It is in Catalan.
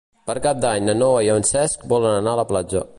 Per Cap d'Any na Noa i en Cesc volen anar a la platja.